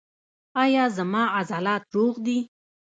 ایا زما عضلات روغ دي؟